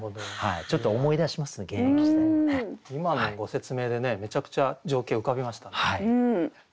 今のご説明でねめちゃくちゃ情景浮かびましたね。